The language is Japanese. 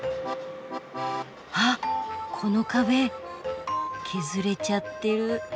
あっこの壁削れちゃってる。